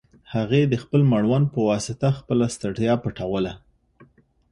هغې د خپل مړوند په واسطه خپله ستړیا پټوله.